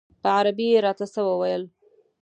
په عربي یې راته څه وویل.